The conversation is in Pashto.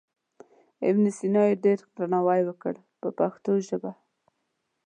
ابن سینا یې ډېر درناوی وکړ په پښتو ژبه.